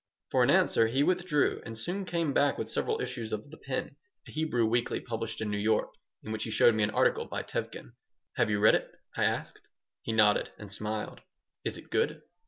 For an answer he withdrew and soon came back with several issues of The Pen, a Hebrew weekly published in New York, in which he showed me an article by Tevkin "Have you read it?" I asked He nodded and smiled "Is it good?"